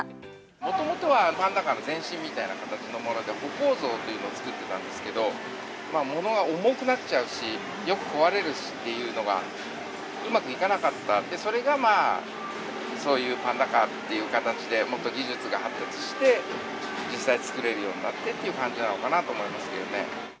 もともとはパンダカーの前身みたいな形のもので、歩行ゾウというのを作ってたんですけど、ものが重くなっちゃうし、よく壊れるしっていうのが、うまくいかなかった、それがまあ、そういうパンダカーという形で、もっと技術が発達して、実際に作れるようになってっていう感じなのかなと思いますけどね。